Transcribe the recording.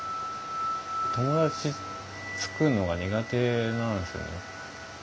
友達つくるのが苦手なんですよね。